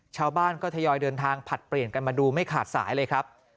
ชาวบ้านก็ทยอยเดินทางผลัดเปลี่ยนกันมาดูไม่ขาดสายเลยครับ